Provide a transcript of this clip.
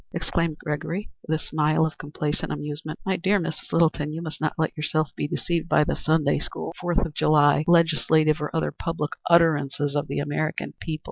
exclaimed Gregory, with a smile of complacent amusement. "My dear Mrs. Littleton, you must not let yourself be deceived by the Sunday school, Fourth of July, legislative or other public utterances of the American people.